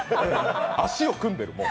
足を組んでる、もう。